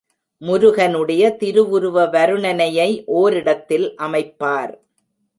முருகனுடைய திருவுருவ வருணனையை ஓரிடத்தில் அமைப்பார்.